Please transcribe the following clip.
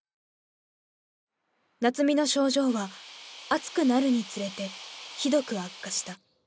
夏実の症状は暑くなるにつれてひどく悪化した。